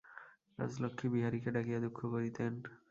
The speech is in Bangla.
রাজলক্ষ্মী বিহারীকে ডাকিয়া দুঃখ করিতেন।